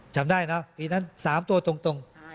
จำได้เหรอปีนั้นสามตัวตรง